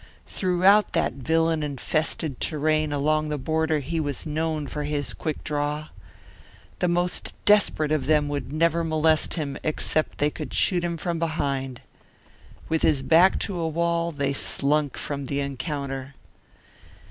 Throughout that villain infested terrain along the border he was known for his quick draw. The most desperate of them would never molest him except they could shoot him from behind. With his back to a wall, they slunk from the encounter.